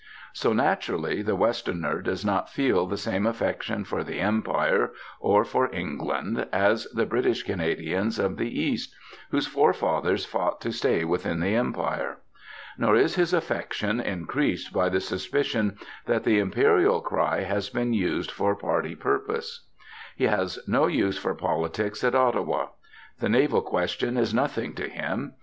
So, naturally, the Westerner does not feel the same affection for the Empire or for England as the British Canadians of the East, whose forefathers fought to stay within the Empire. Nor is his affection increased by the suspicion that the Imperial cry has been used for party purposes. He has no use for politics at Ottawa. The naval question is nothing to him.